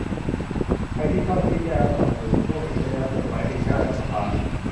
ใครที่เข้าชื่อ แก้รัฐธรรมนูญ ช่วงนี้จะได้รับจดหมายหนึ่งหน้าจากสภา